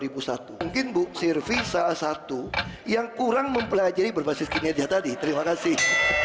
mungkin bu sirvi salah satu yang kurang mempelajari berbasis kinerja tadi terima kasih